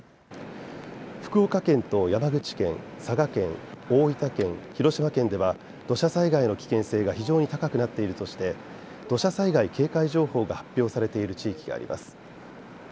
福岡県と山口県、佐賀県大分県、広島県では土砂災害の危険性が非常に高くなっているとして土砂災害警戒情報が発表されている地域があります。